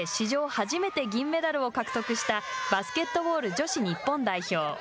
初めて銀メダルを獲得したバスケットボール女子日本代表。